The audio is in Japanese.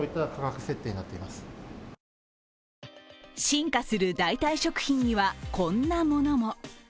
進化する代替食品には、こんなものも。